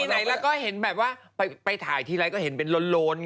ไหนแล้วก็เห็นแบบว่าไปถ่ายทีไรก็เห็นเป็นโลนไง